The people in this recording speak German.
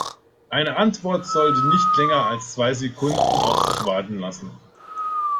Eine Antwort sollte nicht länger als zwei Sekunden auf sich warten lassen.